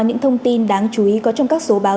những thông tin đáng chú ý có trong các số báo